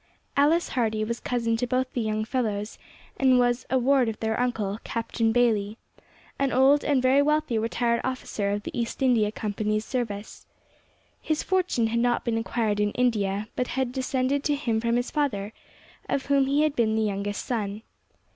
Alice Hardy was cousin to both the young fellows, and was a ward of their uncle, Captain Bayley, an old and very wealthy retired officer of the East India Company's Service. His fortune had not been acquired in India, but had descended to him from his father, of whom he had been the youngest son.